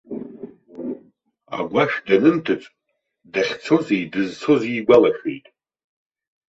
Агәашә данынҭыҵ, дахьцози дызцози игәалашәеит.